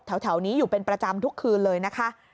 แถวนี้อยู่เป็นประจำทุกคืนเลยนะคะ